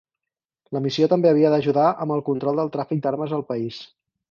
La missió també havia d'ajudar amb el control del tràfic d'armes al país.